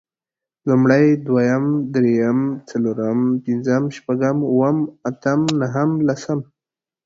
لومړی، دويم، درېيم، څلورم، پنځم، شپږم، اووم، اتم نهم، لسم